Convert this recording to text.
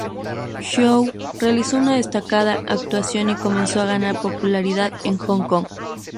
Chow realizó una destacada actuación y comenzó a ganar popularidad en Hong Kong.